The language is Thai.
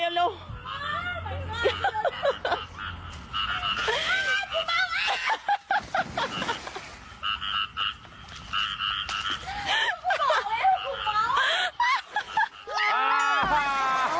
คุณไก่ล้อแห่งที่นี่